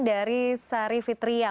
dari sari fitriyah